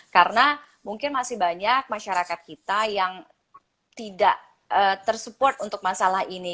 karena mungkin masih banyak masyarakat kita yang tidak tersupport untuk masalah ini